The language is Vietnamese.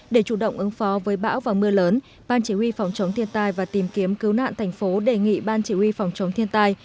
để chủ động ứng phó với bão và mưa lớn ban chỉ huy phòng chống thiên tai và tìm kiếm cứu nạn thành phố đề nghị ban chỉ huy phòng chống thiên tai